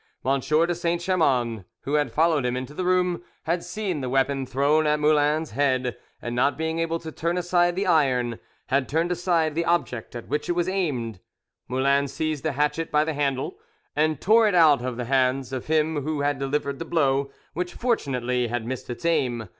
M. de Saint Chamans, who had followed him into the room, had seen the weapon thrown at Moulin's head, and not being able to turn aside the iron, had turned aside the object at which it was aimed. Moulin seized the hatchet by the handle and tore it out of the hands of him who had delivered the blow, which fortunately had missed its aim.